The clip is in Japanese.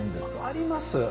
あります。